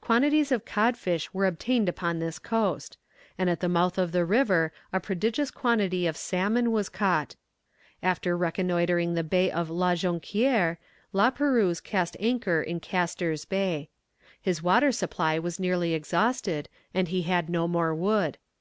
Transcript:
Quantities of cod fish were obtained upon this coast; and at the mouth of the river a prodigious quantity of salmon was caught. After reconnoitring the bay of La Jonquière, La Perouse cast anchor in Casters Bay. His water supply was nearly exhausted, and he had no more wood.